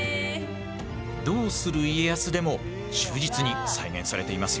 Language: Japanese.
「どうする家康」でも忠実に再現されていますよ。